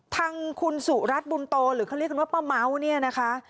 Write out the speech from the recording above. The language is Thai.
ทางคุณสุรัสบุรณโตหรือเขาเรียกกันว่าป้าเม้า